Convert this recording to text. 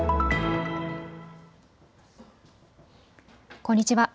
こんにちは。